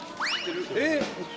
えっ！